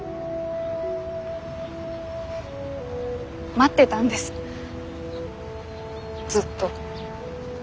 待ってたんですずっと。